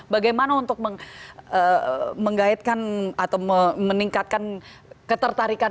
bagaimana untuk menggaitkan atau meningkatkan ketertarikan